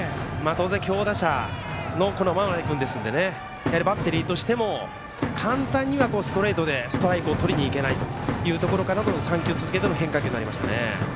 当然強打者の真鍋君ですのでバッテリーとしても簡単にはストレートでストライクをとりにいけないというところから３球続けての変化球となりましたね。